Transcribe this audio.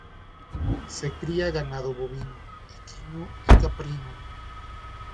Se cría ganado bovino, equino y caprino.